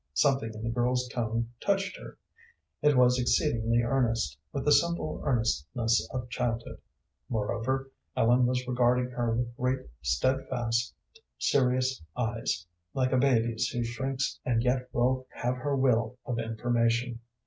Something in the girl's tone touched her. It was exceedingly earnest, with the simple earnestness of childhood. Moreover, Ellen was regarding her with great, steadfast, serious eyes, like a baby's who shrinks and yet will have her will of information.